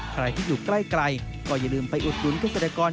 ใครที่อยู่ใกล้ก็อย่าลืมไปอุดหนุนเกษตรกร